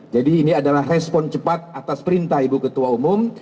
jadi ini adalah respon cepat atas perintah ibu ketua umum